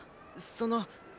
その。